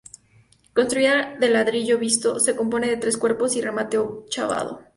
Construida en ladrillo visto, se compone de tres cuerpos y remate ochavado.